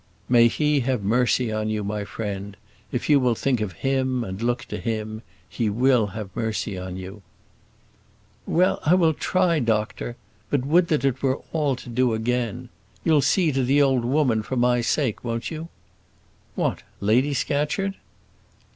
"May He have mercy on you, my friend! if you will think of Him, and look to Him, He will have mercy on you." "Well I will try, doctor; but would that it were all to do again. You'll see to the old woman for my sake, won't you?" "What, Lady Scatcherd?"